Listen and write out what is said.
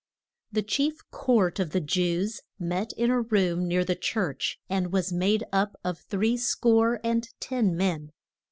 THE chief court of the Jews met in a room near the church, and was made up of three score and ten men.